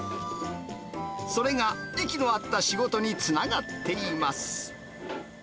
それが息の合った仕事につながっています。